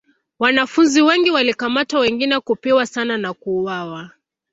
Wanafunzi wengi walikamatwa wengine kupigwa sana na kuuawa.